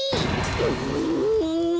うん。